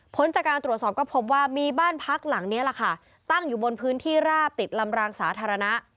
ผลจากการตรวจสอบก็พบว่ามีบ้านพักหลังนี้แหละค่ะตั้งอยู่บนพื้นที่ราบติดลำรางสาธารณะ